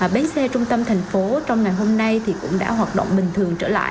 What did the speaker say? bến xe trung tâm thành phố trong ngày hôm nay thì cũng đã hoạt động bình thường trở lại